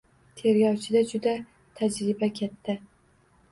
Tergovchida juda tajriba katta.